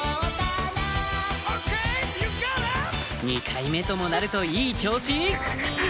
２回目ともなるといい調子！